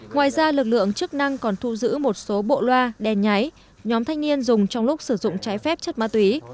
ngoài ra lực lượng chức năng còn thu giữ một số bộ loa đen nháy nhóm thanh niên dùng trong lúc sử dụng trái phép chất ma túy